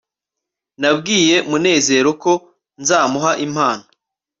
nabwiye munezero ko nzamuha impano